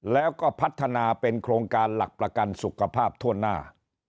แล้วก็พัฒนาเป็นโครงการหลักประกันสุขภาพทั่วหน้า